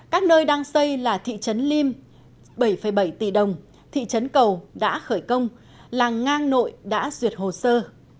các nơi đang xây là thị trấn lim bảy bảy tỷ đồng thị trấn cầu đã khởi công là ngang nội đã duyệt hồ sơ